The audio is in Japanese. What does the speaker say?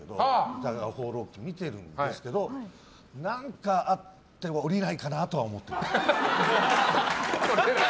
「酒場放浪記」を見てるんですけど何かあって降りないかなとは思ってる。